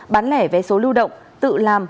bán lẻ vé số lưu động tự làm